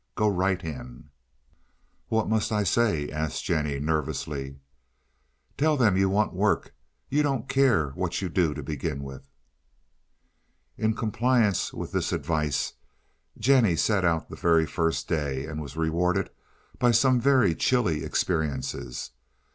Go right in." "What must I say?" asked Jennie, nervously. "Tell them you want work. You don't care what you do to begin with." In compliance with this advice, Jennie set out the very first day, and was rewarded by some very chilly experiences.